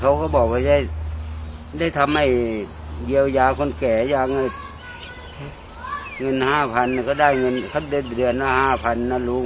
เขาก็บอกว่าได้ทำให้เยียวยาคนแก่อย่างเงินห้าพันก็ได้เงินเขาได้เดือนห้าพันแล้วลุง